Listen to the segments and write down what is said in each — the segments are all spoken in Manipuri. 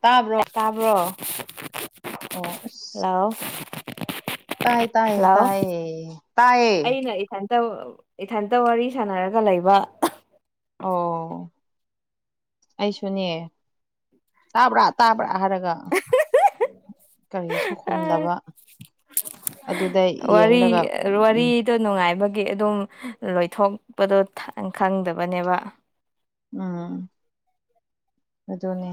ꯇꯥꯕ꯭ꯔꯣ ꯇꯥꯕ꯭ꯔꯣ ꯑꯣ ꯑꯁ ꯍꯜꯂꯣ ꯇꯥꯏ ꯇꯥꯏ ꯇꯥꯌꯦ ꯇꯥꯥꯏꯌꯦ ꯑꯩꯅ ꯏꯊꯟꯇ ꯏꯊꯟꯇ ꯋꯥꯔꯤ ꯁꯥꯟꯅꯔꯒ ꯂꯩꯕ꯫ ꯑꯣ ꯑꯩꯁꯨꯅꯦ꯫ ꯇꯥꯕ꯭ꯔꯥ ꯇꯥꯕ꯭ꯔꯥ ꯍꯥꯏꯔꯒ ꯀꯔꯤꯁꯨ ꯈꯣꯨꯝꯗꯕ ꯑꯗꯨꯗ ꯌꯦꯡꯂꯒ ꯎꯝ ꯗꯣ ꯅꯨꯡꯉꯥꯏꯕꯒꯤ ꯑꯗꯨꯝ ꯂꯣꯏꯊꯣꯛꯄꯗꯣ ꯈꯪꯗꯕꯅꯦꯕ ꯎꯝ ꯑꯗꯨꯅꯦ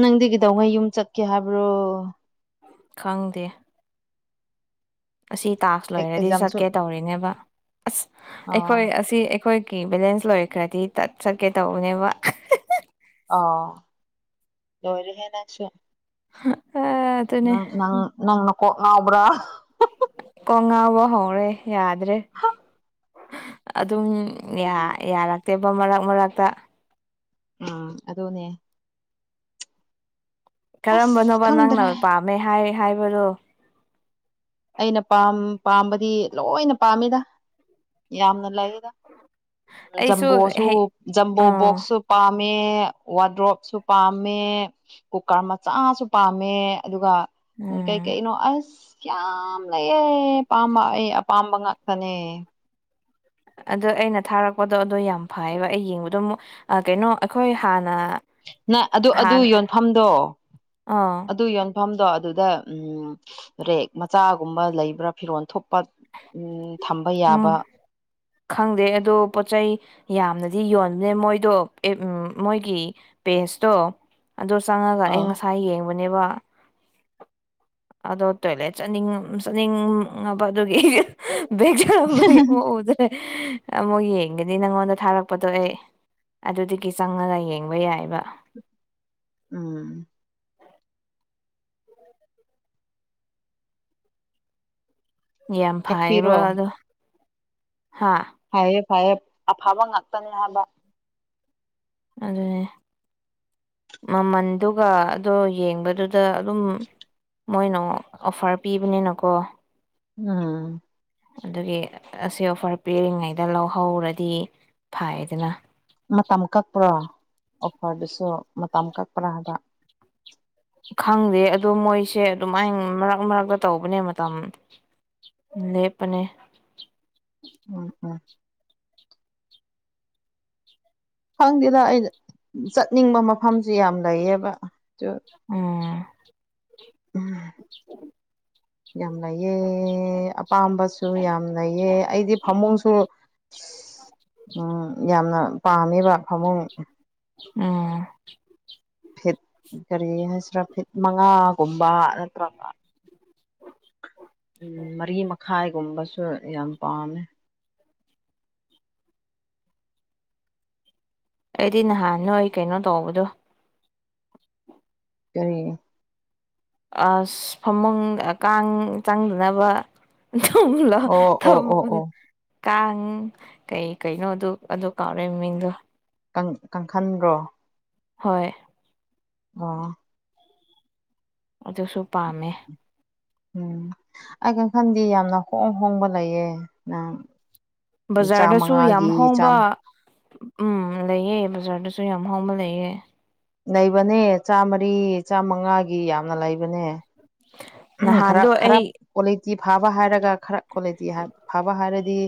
ꯅꯪꯗꯤ ꯀꯩꯗꯧꯉꯩ ꯌꯨꯝ ꯆꯠꯀꯦ ꯍꯥꯏꯕ꯭ꯔꯣ ꯈꯪꯗꯦ ꯑꯁꯤ ꯇꯥꯛꯁ ꯂꯣꯏꯔꯗꯤ ꯑꯦꯛꯖꯥꯝꯁꯨ ꯆꯠꯀꯦ ꯇꯧꯔꯤꯅꯦꯕ ꯑꯁ ꯑꯥ ꯑꯩꯈꯣꯏ ꯑꯁꯤ ꯑꯩꯈꯣꯏ ꯀꯦ ꯕꯦꯂꯦꯟꯁ ꯂꯣꯏꯈ꯭ꯔꯗꯤ ꯇꯠ ꯆꯠꯀꯦ ꯇꯧꯕꯅꯦꯕ ꯑꯣ ꯂꯣꯏꯔꯦꯍꯦ ꯅꯪꯁꯨ [unintelligible] ꯅꯪ ꯅꯪ ꯅꯪ ꯅꯀꯣꯛ ꯉꯥꯎꯕ꯭ꯔꯥ ꯀꯣꯛ ꯉꯥꯎꯕ ꯍꯧꯔꯦ ꯌꯥꯗ꯭ꯔꯦ ꯑꯗꯨꯝ ꯌꯥ ꯌꯥꯔꯛꯇꯦꯕ ꯃꯔꯛ ꯃꯔꯛꯇ ꯎꯝ ꯑꯗꯣꯅꯦ ꯑꯁ ꯀꯔꯝꯕꯅꯣꯕ ꯅꯪꯅ ꯈꯪꯗ꯭ꯔꯦ ꯄꯥꯝꯃꯦ ꯍꯥꯏ ꯍꯥꯏꯕꯗꯣ ꯑꯩꯅ ꯄꯥꯝ ꯄꯥꯝꯕꯗꯤ ꯂꯣꯏꯅ ꯄꯥꯝꯃꯦꯗ ꯌꯥꯝꯅ ꯂꯩꯌꯦꯗ ꯑꯩꯁꯨ ꯖꯝꯕꯣꯁꯨ ꯖꯝꯕꯣ ꯑꯥ ꯕꯣꯛꯁꯨ ꯄꯥꯝꯃꯦ ꯋꯥꯗ꯭ꯔꯣꯞꯁꯨ ꯄꯥꯝꯃꯦ- ꯀꯨꯀꯔ ꯃꯆꯥꯁꯨ ꯄꯥꯝꯃꯦ ꯑꯗꯨꯒ ꯎ ꯀꯩ ꯎꯝ ꯀꯩꯅꯣ ꯑꯁ ꯌꯥꯝ ꯂꯩꯑꯦ ꯑꯄꯥꯝꯕ ꯑꯩ ꯑꯄꯥꯝꯕ ꯉꯥꯛ ꯐꯅꯦ ꯑꯗꯣ ꯑꯩꯅ ꯊꯥꯔꯛꯄꯗꯣ ꯑꯗꯣ ꯌꯥꯝ ꯐꯩꯌꯦꯕ ꯑꯩ ꯌꯦꯡꯕꯗꯣ ꯑꯃꯨꯛ ꯀꯩꯅꯣ ꯑꯩꯈꯣꯏ ꯍꯥꯟꯅ ꯅ ꯑꯗꯨ ꯑꯗꯨ ꯍꯥꯟ ꯌꯣꯟꯐꯝꯗꯣ ꯑꯥ ꯑꯗꯨ ꯌꯣꯟ ꯃꯐꯝꯗꯣ ꯑꯗꯨꯗ ꯎꯝ ꯦꯛ ꯃꯆꯥꯒꯨꯝꯕ ꯂꯩꯕ꯭ꯔꯥ ꯐꯤꯔꯣꯜ ꯊꯨꯞꯄ ꯎꯝ ꯊꯝꯕ ꯌꯥꯕ ꯎꯝ ꯈꯪꯗꯦ ꯑꯗꯣ ꯄꯣꯠ ꯆꯩ ꯌꯥꯝꯅꯗꯤ ꯌꯣꯟꯕꯅꯦ ꯃꯣꯏꯗꯣ [unintelligible] ꯃꯣꯏꯒꯤ ꯄꯦꯁꯇꯣ ꯑꯗꯨ ꯆꯪꯉꯒ ꯑꯩ ꯑꯥ ꯉꯁꯥꯏ ꯌꯦꯡꯕꯅꯦꯕ ꯑꯗꯣ ꯇꯣꯢꯂꯦꯠ ꯆꯠꯅꯤꯡꯉꯝ ꯆꯠꯅꯤꯡ ꯉꯕ ꯑꯗꯨꯒꯤ [unintelligible] ꯑꯃꯨꯛ ꯌꯦꯡꯒꯅꯤ ꯅꯪꯉꯣꯟꯗ ꯊꯥꯔꯛꯄꯗꯣ ꯑꯩ ꯑꯗꯨꯗꯒꯤ ꯆꯪꯉꯒ ꯌꯦꯡꯕ ꯌꯥꯏꯑꯦꯕ ꯎꯝ ꯌꯥꯝ ꯐꯩꯌꯦꯕ ꯀꯛꯄꯤꯔꯣ ꯑꯗꯣ ꯍꯥ ꯐꯌꯦ ꯐꯌꯦ ꯑꯐꯕ ꯉꯥꯛꯇꯅꯦ ꯍꯥꯏꯕ ꯑꯗꯨꯅꯦ ꯃꯃꯟꯗꯨꯒ ꯑꯗꯣ ꯌꯦꯡꯕꯗꯨꯗ ꯑꯗꯨꯝ ꯃꯣꯏꯅ ꯑꯣꯐꯔ ꯄꯤꯕꯅꯤꯅꯀꯣ ꯎꯝ ꯑꯗꯨꯒꯤ ꯑꯁꯤ ꯑꯣꯐꯔ ꯄꯤꯔꯤꯉꯩꯗ ꯂꯧꯍꯧꯔꯗꯤ ꯐꯥꯏꯗꯅ ꯃꯇꯝ ꯀꯛꯄ꯭ꯔꯣ ꯑꯣꯐꯔꯗꯨꯁꯨ ꯃꯇꯝ ꯀꯛꯄ꯭ꯔꯥ ꯍꯥꯏꯕ ꯈꯪꯗꯦ ꯑꯗꯨꯗꯣ ꯃꯣꯏꯁꯦ ꯑꯗꯨꯃꯥꯏ ꯃꯔꯛ ꯃꯔꯛꯇ ꯇꯧꯕꯅꯦ ꯃꯇꯝ ꯂꯦꯞꯄꯅꯦ ꯎꯝ ꯎꯝ ꯈꯪꯗꯦꯗ ꯑꯩꯅ ꯆꯠꯅꯤꯡꯕ ꯃꯐꯝꯁꯨ ꯌꯥꯝ ꯂꯩꯌꯦꯕ ꯗꯨ ꯑꯣ꯫ ꯎꯝ꯫ [inaudible] ꯌꯥꯝ ꯂꯩꯑꯦ ꯑꯄꯥꯝꯕꯁꯨ ꯌꯥꯝ ꯂꯩꯑ ꯑꯩꯗꯤ ꯐꯃꯨꯡꯁꯨ [unintelligible] ꯎꯝ ꯌꯥꯝꯅ ꯄꯥꯝꯃꯦꯕ ꯐꯃꯨꯡ ꯎꯝ ꯐꯤꯠ ꯀꯔꯤ ꯍꯥꯏꯁꯤꯔꯥ ꯐꯤꯠ ꯃꯉꯥꯒꯨꯝꯕ ꯅꯠꯇ꯭ꯔꯒ ꯎꯝ ꯃꯔꯤ ꯃꯈꯥꯏꯒꯨꯝꯕꯁꯨ ꯌꯥꯝ ꯄꯥꯝꯃꯦ ꯑꯩꯗꯤ ꯅꯍꯥꯟ ꯅꯣꯏ ꯑꯩ ꯀꯩꯅꯣ ꯇꯧꯕꯗꯣ ꯀꯔꯤ꯫ ꯑꯁ ꯐꯃꯨꯡ ꯀꯥꯡ ꯆꯪꯗꯅꯕ ꯑꯣ ꯑꯣ ꯑꯣ ꯑꯣ [unintelligible] ꯀꯥꯡ ꯀꯩ ꯀꯩꯅꯣ ꯑꯗꯨ ꯑꯗꯨ ꯀꯥꯎꯔꯦ ꯃꯃꯤꯡꯗꯣ꯫ ꯀꯪ ꯀꯪꯈꯟꯗ꯭ꯔꯣ ꯍꯣꯏ ꯑ ꯑꯗꯨꯁꯨ ꯄꯥꯝꯃꯦ ꯎꯝ ꯑꯩ ꯀ ꯈꯟꯗꯤ ꯌꯥꯝꯅ ꯍꯣꯡ ꯍꯣꯡꯕ ꯂꯩꯌꯦꯦ ꯅꯪ ꯕꯖꯥꯔꯗꯁꯨ ꯌꯥꯝ ꯆꯥꯃꯉꯥꯒꯤ ꯍꯣꯡꯕ꯫ ꯆꯥꯝ ꯎꯝ ꯂꯩꯌꯦ ꯕꯖꯥꯔꯗꯁꯨ ꯌꯥꯝ ꯍꯣꯝꯕ ꯂꯩꯑꯦ꯫ ꯂꯩꯕꯅꯦ ꯆꯥꯃꯔꯤ ꯆꯥꯃꯉꯥꯒꯤ ꯌꯥꯝꯅ ꯂꯩꯕꯅꯦ꯫ ꯎ ꯈꯔ ꯅꯍꯥꯟꯗꯣ ꯑꯩ ꯈꯔꯞ ꯀꯣꯂꯤꯇꯤ ꯐꯥꯕ ꯍꯥꯏꯔꯒ ꯈꯔ ꯀꯣꯂꯤꯇꯤ ꯐꯕ ꯍꯥꯏꯔꯗꯤ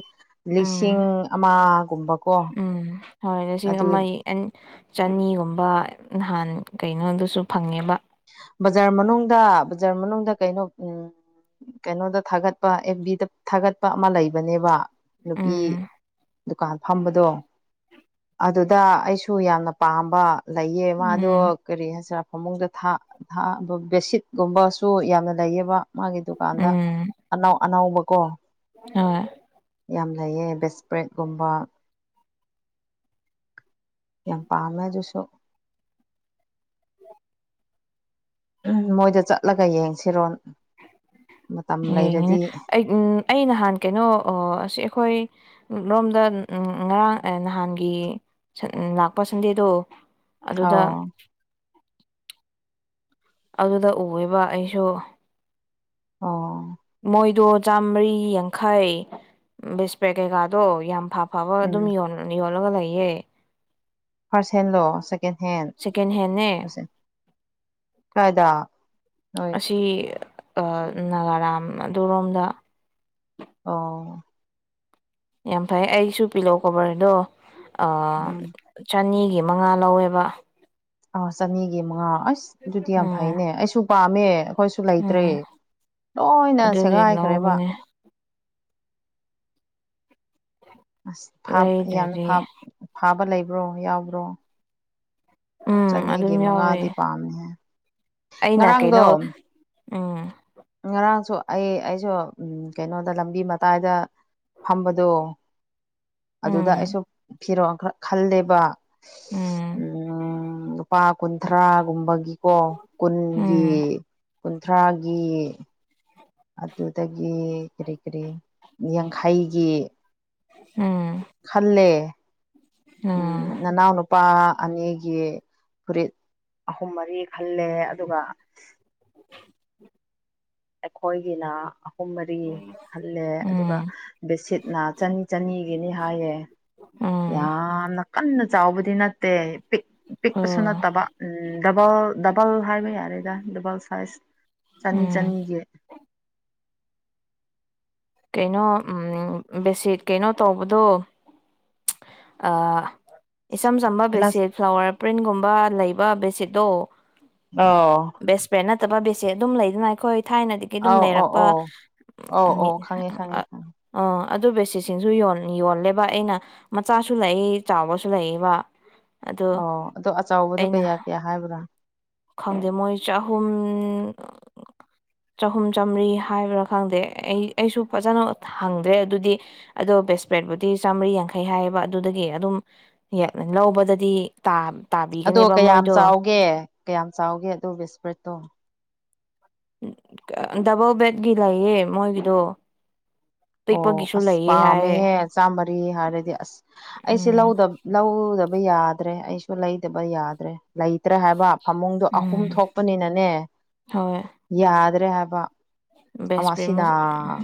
ꯂꯤꯁꯤꯡ ꯎꯝ ꯑꯃꯒꯨꯝꯕ꯫ ꯎꯝ ꯍꯣꯏ ꯂꯤꯁꯤꯡ ꯑꯃ꯫ ꯑꯦꯟ ꯆꯅꯤꯒꯨꯝꯕ ꯅꯍꯥꯟ ꯀꯩꯅꯣꯗꯨꯁꯨ ꯐꯪꯉꯦꯕ ꯕꯖꯥꯔ ꯃꯅꯨꯡꯗ ꯕꯖꯥꯔ ꯃꯅꯨꯡꯗ ꯀꯩꯅꯣ ꯎꯝ ꯀꯩꯅꯣꯗ ꯊꯥꯒꯠꯄ ꯑꯐ ꯕꯤꯗ ꯊꯥꯒꯠꯄ ꯑꯃ ꯂꯩꯕꯅꯦꯕ ꯅꯨꯄꯤ꯫ ꯎꯝ ꯗꯨꯀꯥꯟ ꯐꯝꯕꯗꯣ ꯑꯗꯨꯗ ꯑꯩꯁꯨ ꯌꯥꯝꯅ ꯄꯥꯝꯕ꯫ ꯂꯩꯌꯦ ꯃꯥꯗꯣ ꯎꯝ ꯀꯔꯤ ꯍꯥꯏꯁꯤꯔ ꯐꯃꯨꯡꯗ꯫ ꯊꯥ ꯊꯥ ꯕꯦꯠꯁꯤꯠꯀꯨꯝꯕꯁꯨ ꯌꯥꯝꯅ ꯂꯩꯌꯦꯕ ꯃꯥꯒꯤ ꯗꯨꯀꯥꯟꯗ꯫ ꯎꯝ ꯑꯅꯎ ꯑꯅꯕꯀꯣ ꯍꯣꯏ꯫ ꯌꯥꯝ ꯂꯩꯌꯦ ꯕꯤꯁꯄ꯭ꯔꯦꯛꯀꯨꯝꯕ ꯌꯥꯝ ꯄꯥꯝꯃꯦꯗꯨꯁꯨ꯫ ꯎꯝ ꯃꯣꯏꯗ ꯆꯠꯂꯒ ꯌꯦꯡꯁꯤꯔꯣ꯫ ꯃꯇꯝ ꯂꯩꯔꯗꯤ ꯌꯦꯡꯉꯅꯦ ꯑꯩ ꯑꯩ ꯅꯍꯥꯟ ꯀꯩꯅꯣ ꯑꯁꯤ ꯑꯩꯈꯣꯏ ꯂꯣꯝꯗ ꯎꯝ ꯉꯔꯥꯡ ꯅꯍꯥꯟꯒꯤ ꯂꯥꯛꯄ ꯁꯟꯗꯦꯗꯣ ꯑꯗꯨꯗ꯫ ꯑꯧ ꯑꯗꯨꯗ ꯎꯋꯦꯕ ꯑꯩꯁꯨ꯫ ꯑꯣ꯫ ꯃꯣꯏꯗꯣ ꯆꯥꯃꯔꯤ ꯌꯥꯡꯈꯩ ꯕꯤꯁꯄꯦ ꯀꯩꯀꯥꯗꯣ ꯌꯥꯝ ꯐꯕ꯫ ꯑꯐꯕ ꯎꯝ ꯑꯗꯨꯝ ꯌꯣꯜꯂꯒ ꯂꯩꯌꯦꯦ ꯐꯥꯔꯁ ꯍꯦꯟꯂꯣ꯫ ꯀꯦꯟꯍꯦꯟ꯫ ꯁꯦꯀꯦꯟ ꯍꯦꯟꯅꯦ ꯀꯥꯏꯗ ꯅꯣꯏ ꯑꯁꯤꯁꯤ ꯑꯝ ꯅꯥꯒꯥꯔꯥꯝ ꯑꯗꯨꯔꯣꯝꯗ ꯑꯣ꯫ ꯌꯥꯝ ꯐꯩ ꯑꯩꯁꯨ ꯄꯤꯜꯂꯣ ꯀꯣꯕꯔꯗꯣ ꯑꯥ꯫ ꯎꯝ ꯆꯅꯤꯒꯤ ꯃꯉꯥ ꯂꯧꯋꯦꯕ ꯑꯥ ꯆꯅꯤꯒꯤ ꯃꯉꯥ ꯑꯁ ꯑꯗꯨꯗꯤ ꯌꯥꯝ ꯎꯝ ꯐꯩꯅꯦ ꯑꯩꯁꯨ ꯄꯥꯝꯃꯦ ꯑꯩꯈꯣꯏꯁꯨ ꯎꯝ ꯂꯩꯇ꯭ꯔꯦ ꯂꯣꯏꯅ ꯑꯗꯨꯒꯤ ꯁꯦꯒꯥꯏꯈ꯭ꯔꯦꯕ ꯂꯧꯕꯅꯦ ꯑꯁ ꯌꯥꯝꯅ ꯂꯩꯗ꯭ꯔꯗꯤ ꯐꯥꯕ ꯂꯩꯕ꯭ꯔꯣ ꯌꯥꯎꯕ꯭ꯔꯣ ꯎꯝ ꯑꯗꯨꯝ ꯆꯅꯤꯒꯤ ꯌꯥꯎꯋꯦ ꯃꯉꯥꯗꯤ ꯄꯥꯝꯃꯤꯍꯦ ꯑꯩꯅ ꯀꯩꯅꯣ ꯎꯝ ꯉꯔꯥꯡꯁꯨ ꯑꯩ ꯑꯩꯁꯨ ꯎꯝ ꯀꯩꯅꯣꯗ ꯂꯝꯕꯤ ꯃꯇꯥꯏꯗ ꯐꯝꯕꯗꯣ ꯑꯗꯨꯗ ꯎꯝ ꯑꯩꯁꯨ ꯐꯤꯔꯛ ꯈꯜꯂꯦꯕ ꯎꯝ ꯎꯝ ꯂꯨꯄꯥ ꯀꯨꯟꯊ꯭ꯔꯥꯒꯨꯝꯕꯒꯤꯀꯣ ꯀꯨꯟꯒꯤ ꯎꯝ ꯀꯨꯟꯊ꯭ꯔꯥꯒꯤ ꯑꯗꯨꯗꯒꯤ ꯀꯔꯤ ꯀꯔꯤ ꯌꯥꯡꯈꯩꯒꯤ ꯎꯝ ꯈꯜꯂꯦ ꯎꯝ ꯅꯅꯥꯎꯅ ꯂꯨꯄꯥ ꯑꯅꯤꯒꯤ ꯐꯨꯔꯤꯠ ꯑꯍꯨꯝ ꯃꯔꯤ ꯈꯜꯂꯦ ꯑꯗꯨꯒ ꯑꯩꯈꯣꯏꯒꯤꯅ ꯑꯍꯨꯝ ꯃꯔꯤ ꯂꯦ ꯑꯗꯨꯒ ꯎꯝ ꯕꯦꯠꯁꯤꯠꯅ ꯆꯅꯤ ꯆꯅꯤꯒꯤꯅꯤ ꯍꯥꯏꯌꯦ ꯎꯝ ꯌꯥꯝꯅ ꯀꯟꯅ ꯆꯥꯎꯕꯗꯤ ꯅꯠꯇꯦ ꯄꯤꯛꯄꯁꯨ ꯑꯣ ꯅꯠꯇꯕ ꯗꯕꯜ ꯗꯕꯜ ꯍꯥꯏꯕ ꯌꯥꯔꯦꯗ ꯗꯕꯜ ꯁꯥꯏꯖ ꯆꯅꯤ ꯎꯝ ꯆꯅꯤꯒꯤ ꯀꯩꯅꯣ ꯕꯦꯁꯤꯠ ꯀꯩꯅꯣ ꯇꯧꯕꯗꯣ ꯏꯆꯝ ꯆꯝꯕ ꯒꯤꯂꯥꯁ ꯕꯦꯠꯁꯤꯠ ꯐ꯭ꯂꯥꯋꯔ ꯄ꯭ꯔꯤꯟꯒꯨꯝꯕ ꯂꯩꯕ ꯕꯦꯠꯁꯤꯠꯇꯣ ꯑꯣ ꯕꯦꯁ ꯐ꯭ꯔꯦꯟ ꯅꯠꯇꯕ ꯕꯦꯁꯦ ꯑꯗꯨꯝ ꯂꯩꯗꯅ ꯑꯩꯈꯣꯏ ꯊꯥꯏꯅꯗꯤ ꯀꯩꯅꯣꯝ ꯑꯧ ꯑꯣ ꯂꯩꯔꯛꯄ ꯑꯣ ꯑꯧ ꯑꯧ ꯈꯪꯉꯦ ꯈꯪꯉꯦ [unintelligible] ꯈꯪꯉꯦ ꯑ ꯑꯗꯨ ꯕꯦꯁꯦꯁꯤꯡꯁꯨ ꯌꯣꯟ ꯌꯣꯜꯂꯦꯕ ꯑꯩꯅ ꯃꯆꯥꯁꯨ ꯂꯩ ꯆꯥꯎꯕꯁꯨ ꯂꯩꯕ ꯑꯣ ꯑꯗꯣ ꯑꯆꯕꯗꯣ ꯀꯌꯥ ꯀꯌꯥ ꯍꯥꯏꯕ꯭ꯔꯥ ꯈꯪꯗꯦ ꯃꯣꯏ ꯆꯍꯨꯝ ꯆꯍꯨꯝ ꯆꯥꯝꯔꯤ ꯍꯥꯏꯕ꯭ꯔꯥ ꯈꯪꯗꯦ ꯑꯩ ꯑꯩꯁꯨ ꯐꯖꯅ ꯍꯪꯗ꯭ꯔꯦ ꯑꯗꯨꯗꯤ ꯑꯗꯣ ꯕꯁꯄ꯭ꯔꯦꯠꯕꯨꯗꯤ ꯆꯥꯝꯃꯔꯤ ꯌꯥꯡꯩ ꯐꯩ ꯍꯥꯏꯌꯦꯕ ꯑꯗꯨꯗꯒꯤ ꯑꯗꯨꯝ ꯂꯧꯕꯗꯗꯤ ꯇꯥ ꯑꯗꯣ ꯇꯥꯕꯤꯒꯅꯦꯕ ꯀꯌꯥꯝ ꯃꯣꯏꯗꯣ ꯆꯥꯎꯒꯦ ꯀꯌꯥꯝ ꯆꯥꯎꯒꯦ ꯑꯗꯨ ꯕꯤꯁꯀ꯭ꯔꯤꯠꯇꯣ ꯗꯕꯜ ꯕꯦꯠꯀꯤ ꯂꯩꯌꯦ ꯃꯣꯏꯒꯤꯗꯣ ꯄꯤꯛꯄꯒꯤꯁꯨ ꯂꯩꯌꯦ ꯍꯥꯏꯌꯦ ꯆꯃꯔꯤ ꯍꯥꯏꯔꯗꯤ ꯑꯁ ꯑꯩꯁꯦ ꯂꯧ ꯎꯝ ꯂꯧꯗꯕ ꯌꯥꯗ꯭ꯔꯦ ꯑꯩꯁꯨ ꯂꯩꯗꯕ ꯌꯥꯗ꯭ꯔꯦ ꯂꯩꯇ꯭ꯔꯦ ꯍꯥꯏꯕ ꯐꯃꯨꯡꯗꯣ ꯑꯍꯨꯝ ꯎꯝ ꯊꯣꯛꯄꯅꯤꯅꯅꯦ ꯍꯣꯏ ꯌꯥꯗ꯭ꯔꯦ ꯍꯥꯏꯕ ꯕꯦꯁ ꯄ꯭ꯔꯦꯃ ꯑꯃꯁꯤꯅꯥ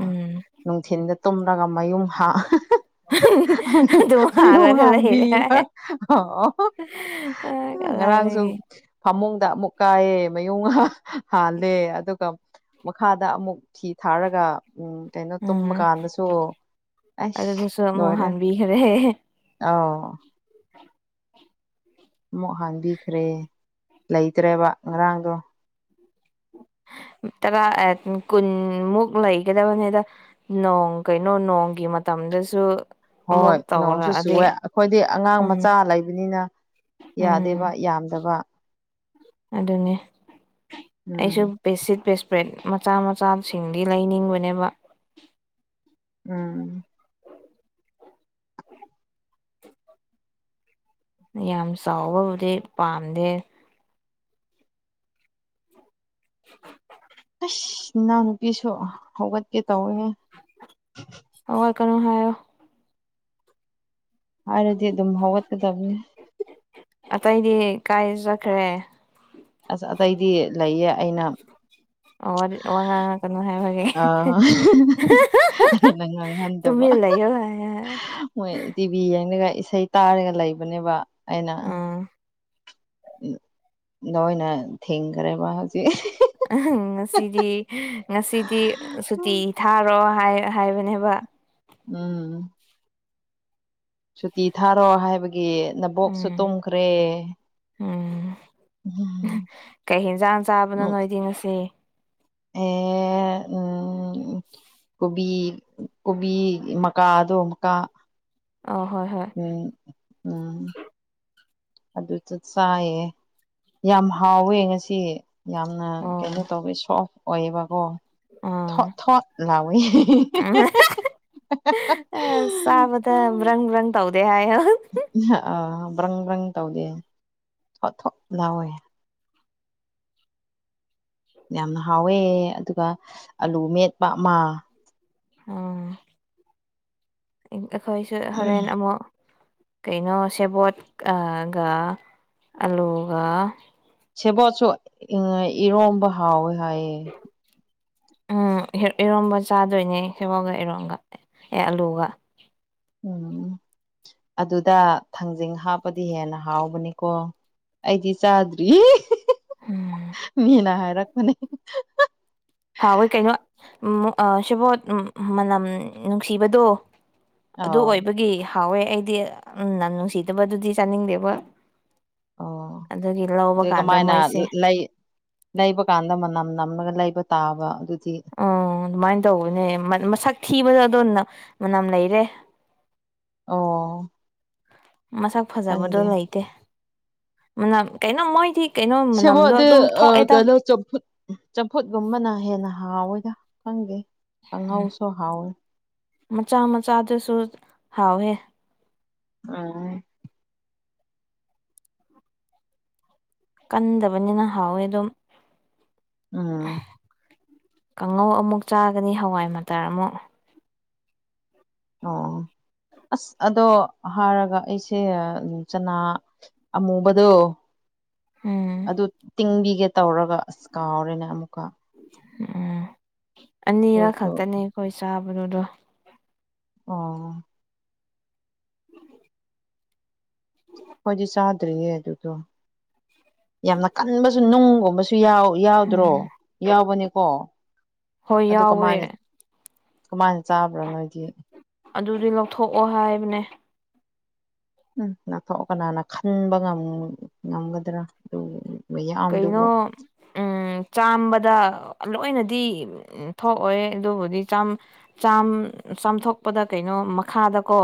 ꯎꯝ ꯅꯨꯡꯊꯤꯟꯗ ꯇꯨꯝꯂꯒ ꯃꯌꯨꯝ ꯍꯥ ꯑꯗꯨꯝ ꯍꯥꯜꯂꯒ ꯂꯩꯔꯦ ꯍꯥꯏ [unintelligible] ꯉꯔꯥꯡꯁꯨ ꯀꯗꯥꯏꯗꯒꯤ ꯐꯃꯨꯡꯗ ꯑꯃꯨꯛ ꯀꯥꯏꯑꯦ ꯃꯌꯨꯡ ꯍꯥꯜꯂꯦ ꯑꯗꯨꯒ ꯃꯈꯥꯗ ꯑꯃꯨꯛ ꯐꯤ ꯊꯥꯔꯒ ꯎꯝ ꯀꯩꯅꯣ ꯇꯨꯝꯕ ꯎꯝ ꯀꯥꯟꯗꯁꯨ ꯑꯁ ꯑꯗꯨꯗꯨꯁꯨ ꯑꯃꯨꯛ ꯂꯣꯏꯔꯦ ꯍꯥꯟꯕꯤꯈ꯭ꯔꯦ ꯑꯥꯎ ꯑꯃꯨꯛ ꯍꯥꯟꯕꯤꯈ꯭ꯔꯦ ꯂꯩꯇ꯭ꯔꯦꯕ ꯉꯔꯥꯡꯗꯣ ꯇꯔꯥ ꯀꯨꯟꯃꯨꯛ ꯂꯩꯒꯗꯕꯅꯤꯗ ꯅꯣꯡ ꯀꯩꯅꯣ ꯅꯣꯡꯒꯤ ꯃꯇꯝꯗꯁꯨ ꯑꯃꯨꯛ ꯍꯣꯏ ꯅꯣꯡꯁꯨ ꯇꯧꯔꯛꯑꯗꯤ ꯆꯨꯋꯦ ꯑꯩꯈꯣꯏꯗꯤ ꯑꯉꯥꯡ ꯎꯝ ꯃꯆꯥ ꯂꯩꯕꯅꯤꯅ ꯎꯝ ꯌꯥꯗꯦꯕ ꯌꯥꯝꯗꯕ ꯑꯗꯨꯅꯤ ꯎꯝ ꯑꯩꯁꯨ ꯄꯦꯁꯤꯠ ꯄꯦꯁꯄ꯭ꯔꯦꯠ ꯃꯆꯥ ꯃꯆꯥꯁꯤꯡꯗꯤ ꯂꯩꯅꯤꯡꯕꯅꯦꯕ ꯎꯝ ꯌꯥꯝ ꯆꯥꯎꯕꯕꯨꯗꯤ ꯄꯥꯝꯗꯦ [inaudible] [unintelligible] ꯅꯅꯥꯎ ꯅꯨꯄꯤꯁꯨ ꯍꯧꯒꯠꯀꯦ ꯇꯧꯋꯦ ꯍꯧꯒꯠꯀꯅꯣ ꯍꯥꯏꯑꯣ ꯍꯥꯏꯔꯗꯤ ꯑꯗꯨꯝ ꯍꯧꯒꯠꯀꯗꯕꯅꯦ ꯑꯇꯩꯗꯤ ꯀꯥꯏ ꯆꯠꯈ꯭ꯔꯦ ꯑꯁ ꯑꯇꯩꯗꯤ ꯂꯩꯌꯦ ꯑꯩꯅ ꯑꯣ ꯋꯥ ꯉꯥꯡ ꯀꯩꯅꯣ ꯍꯥꯏꯕꯒꯦ ꯑꯥ ꯑꯩꯅ ꯉꯥꯡꯍꯟꯗꯕ ꯇꯨꯃꯤꯜ ꯂꯩ ꯌꯣ ꯕꯤ ꯌꯦꯡꯒ ꯏꯁꯩ ꯇꯥꯔꯒ ꯂꯩꯕꯅꯦꯕ ꯑꯩꯅ ꯎꯝ ꯅꯣꯏꯅ ꯊꯦꯡꯈ꯭ꯔꯦꯕ ꯍꯧꯖꯤꯛ ꯎ ꯉꯁꯤꯗꯤ ꯉꯁꯤꯗꯤ ꯁꯨꯇꯤ ꯊꯥꯔꯣ ꯍꯥꯏꯕꯅꯦꯕ ꯎꯝ ꯁꯨꯇꯤ ꯊꯥꯔꯣ ꯍꯥꯏꯕꯒꯤ ꯅꯕꯣꯛꯁꯨ ꯎꯝ ꯇꯨꯝꯈ꯭ꯔꯦ ꯎꯝ ꯎꯝ ꯀꯩ ꯌꯦꯟꯖꯥꯡ ꯆꯥꯕꯅꯣ ꯅꯣꯏꯗꯤ ꯉꯁꯤ ꯑꯦ ꯎꯝ ꯎꯝ ꯀꯣꯕꯤ ꯀꯣꯕꯤ ꯃꯀꯥꯗꯣ ꯑꯃꯨꯛꯀ ꯑꯣ ꯍꯣꯏ ꯍꯣꯏ ꯎꯝ ꯎꯝ ꯑꯗꯨꯗ ꯆꯥꯏꯌꯦ ꯌꯥꯝ ꯍꯥꯎꯋꯦ ꯉꯁꯤ ꯌꯥꯝꯅ ꯑꯣ ꯀꯩꯅꯣ ꯇꯧꯋꯤ ꯁꯣꯐ ꯑꯣꯏꯌꯦꯕꯀꯣ ꯊꯣꯠ ꯑꯥ ꯊꯣꯠ ꯂꯥꯎꯏ ꯑꯁ [unintelligible] [unintelligible] ꯇꯧꯗꯦ ꯍꯥꯏꯌꯦ ꯑꯥ ꯕ꯭ꯔꯪ ꯕ꯭ꯔꯪ ꯇꯧꯗꯦ ꯊꯣꯠ ꯊꯣꯠ ꯂꯥꯎꯋꯦ ꯌꯥꯝꯅ ꯍꯥꯎꯋꯦ ꯑꯗꯨꯒ ꯑꯂꯨ ꯃꯦꯠꯄ ꯑꯃ ꯑꯣ ꯑꯩꯈꯣꯏꯁꯨ ꯍꯣꯔꯦꯟ ꯑꯃꯨꯛ ꯀꯩꯅꯣ ꯁꯦꯕꯣꯠꯒ ꯑꯂꯨꯒ ꯁꯦꯕꯣꯠꯁꯨ ꯏꯔꯣꯝꯕ ꯍꯥꯎꯋꯦ ꯍꯥꯏꯌꯦ ꯎꯝ ꯏꯔꯣꯝꯕ ꯆꯥꯗꯣꯏꯅꯦ ꯁꯦꯚꯣꯠꯒ ꯏꯔꯣꯝꯒ ꯑꯦ ꯑꯂꯨꯒ ꯎꯝ ꯑꯗꯨꯗ ꯊꯥꯡꯖꯤꯡ ꯍꯥꯞꯄꯗꯤ ꯍꯦꯟꯅ ꯍꯥꯎꯕꯅꯤꯀꯣ ꯑꯩꯗꯤ ꯆꯥꯗ꯭ꯔꯤ ꯎꯝ ꯃꯤꯅ ꯍꯥꯏꯔꯛꯄꯅꯦ ꯍꯥꯎꯏ ꯀꯩꯅꯣ ꯎꯝ ꯑ ꯁꯦꯕꯣꯠ ꯎꯝ ꯃꯅꯝ ꯅꯨꯡꯁꯤꯕꯗꯣ ꯑꯗꯨ ꯑꯥꯎ ꯑꯣꯏꯕꯒꯤ ꯍꯥꯎꯋꯦ ꯑꯩꯗꯤ ꯎꯝ ꯅꯝ ꯨꯡꯁꯤꯗꯕ ꯑꯗꯨꯗꯤ ꯆꯥꯅꯤꯡꯗꯦꯕ ꯑꯣ ꯑꯗꯨꯒꯤ ꯂꯧꯕ ꯑꯗꯨ ꯀꯥꯟꯗ ꯀꯃꯥꯏꯅ ꯃꯣꯏꯁꯦ ꯂꯩ ꯂꯩꯕ ꯀꯥꯟꯗ ꯃꯅꯝ ꯅꯝꯂꯒ ꯂꯩꯕ ꯇꯥꯕ ꯑꯗꯨꯗꯤ ꯑꯣ ꯑꯗꯨꯃꯥꯏꯅ ꯇꯧꯕꯅꯦ ꯃꯁꯛ ꯊꯤꯕꯗ ꯑꯗꯣꯅ ꯃꯅꯝ ꯂꯩꯔꯦ ꯑꯣ ꯃꯁꯛ ꯐꯖꯕꯗꯣ ꯈꯪꯗꯦ ꯂꯩꯇꯦ ꯃꯅꯝ ꯀꯩꯅꯣ ꯃꯣꯏꯗꯤ ꯀꯩꯅꯣ ꯃꯅꯝꯗꯣ ꯁꯤꯕꯣꯠꯇꯤ ꯑꯗꯨꯝ ꯑ ꯊꯣꯛꯑꯦꯗ ꯀꯩꯅꯣ ꯆꯝꯐꯨꯠ ꯆꯝꯐꯨꯠꯒꯨꯝꯕꯅ ꯍꯦꯟꯅ ꯍꯥꯎꯋꯤꯗ ꯈꯪꯗꯦ ꯎꯝ ꯀꯥꯡꯍꯧꯁꯨ ꯍꯥꯎꯋꯤ ꯃꯆꯥ ꯃꯆꯥꯗꯨꯁꯨ ꯍꯥꯎꯋꯦ ꯑꯝ ꯀꯟꯗꯕꯅꯤꯅ ꯍꯥꯎꯋꯦ ꯑꯗꯨꯝ ꯎꯝ ꯀꯥꯡꯉꯧ ꯑꯃꯨꯛ ꯆꯥꯒꯅꯤ ꯍꯋꯥꯏ ꯃꯇꯔ ꯑꯃꯨꯛ꯫ ꯑꯣ ꯑꯁ ꯑꯗꯣ ꯍꯥꯏꯔꯒ ꯑꯩꯁꯦ ꯆꯅꯥ꯫ ꯑꯃꯨꯕꯗꯣ꯫ ꯎꯝ ꯑꯗꯨ ꯇꯤꯡꯕꯤꯒꯦ ꯇꯧꯔꯒ ꯑꯁ ꯀꯥꯎꯔꯦꯅꯦ ꯑꯃꯨꯛꯀ꯫ ꯎꯝ ꯑꯅꯤꯔꯛ ꯑꯗꯨꯁꯨ ꯈꯛꯇꯅꯦ ꯑꯩꯈꯣꯏ ꯆꯥꯕꯗꯨꯗꯣ꯫ ꯑꯣ꯫ ꯑꯩꯈꯣꯏꯗꯤ ꯆꯥꯗ꯭ꯔꯤꯌꯦ ꯑꯗꯨꯗꯣ ꯌꯥꯝꯅ ꯀꯟꯕꯁꯨ ꯅꯨꯡꯒꯨꯝꯕꯁꯨ ꯌꯥꯎ ꯌꯥꯎꯗ꯭ꯔꯣ ꯎꯝ ꯌꯥꯎꯕꯅꯦꯀꯣ ꯍꯣꯏ ꯑꯗꯨ ꯌꯥꯎꯋꯦ ꯀꯃꯥꯏꯅ ꯀꯃꯥꯏꯅ ꯆꯥꯕ꯭ꯔꯥ ꯅꯣꯏꯗꯤ ꯑꯗꯨꯗꯤ ꯂꯧꯊꯣꯛꯑꯣ ꯍꯥꯏꯕꯅꯦ ꯎꯝ ꯅꯥꯥꯛꯊꯣꯛ ꯀꯅꯥꯅ ꯈꯟꯕ ꯉꯝꯒꯗ꯭ꯔꯥ ꯑꯗꯨ ꯃꯌꯥꯝꯗꯨꯕꯨ ꯀꯩꯅꯣ ꯎꯝ ꯆꯥꯝꯕꯗ ꯂꯣꯏꯅꯗꯤ ꯊꯣꯛꯑꯣꯏ ꯑꯗꯨꯕꯨꯗꯤ ꯆꯥꯝ ꯆꯥꯝ ꯆꯥꯝꯊꯣꯛꯄꯗ ꯀꯩꯅꯣ ꯃꯈꯥꯗꯀꯣ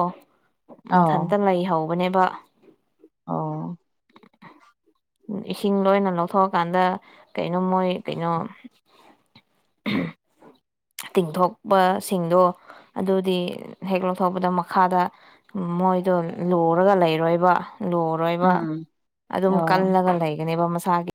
ꯑꯥꯎ ꯃꯊꯟꯇ ꯂꯩꯍꯧꯕꯅꯦꯕ꯫ ꯑꯣ꯫ ꯏꯁꯤꯡ ꯂꯣꯏꯅ ꯂꯧꯊꯣꯛꯑꯀꯥꯟꯗ ꯀꯩꯅꯣ ꯃꯣꯏ ꯀꯩꯅꯣ꯫ [inaudible] ꯇꯤꯡꯊꯣꯛꯄꯁꯤꯡꯗꯣ ꯑꯗꯨꯗꯤ ꯍꯦꯛ ꯂꯧꯊꯣꯛꯄꯗ ꯃꯈꯥꯗ꯫ ꯃꯣꯏꯗꯣ ꯂꯣꯔꯒ ꯂꯩꯔꯣꯏꯕ ꯂꯣ ꯔꯣꯏꯕ ꯎꯝ ꯑꯗꯨꯝ ꯑꯣ ꯀꯂꯒ ꯂꯩꯒꯅꯦꯕ ꯃꯁꯥꯒꯤ꯫